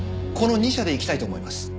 この２社でいきたいと思います。